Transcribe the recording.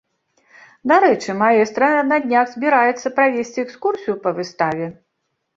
Дарэчы, маэстра на днях збіраецца правесці экскурсію па выставе.